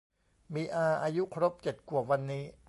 มีอาอายุครบเจ็ดขวบวันนี้